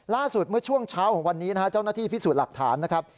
เมื่อช่วงเช้าของวันนี้นะฮะเจ้าหน้าที่พิสูจน์หลักฐานนะครับ